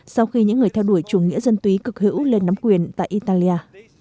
sau khi những người theo đuổi chủ nghĩa dân túy cực hữu lên nắm quyền tại italia